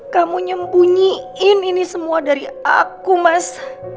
kamu nyembunyiin ini semua dari aku mas